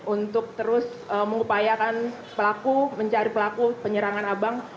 untuk terus mengupayakan pelaku mencari pelaku penyerangan abang